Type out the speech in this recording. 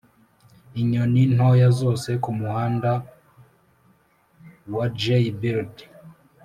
inyoni ntoya zose kumuhanda wa jaybird